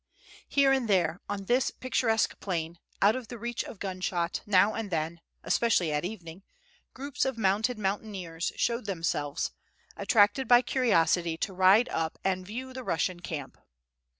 Here and there on this picturesque plain, out of the reach of gunshot, now and then, especially at evening, groups of mounted mountaineers showed themselves, attracted by curiosity to ride up and view the Russian camp.